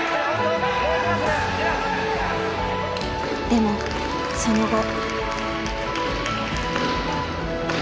でもその後。